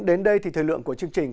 đến đây thì thời lượng của chương trình